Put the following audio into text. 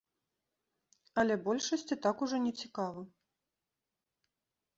Але большасці так ужо не цікава.